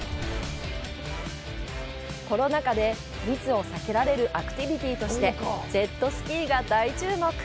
コロナ禍で密を避けられるアクティビティとしてジェットスキーが大注目！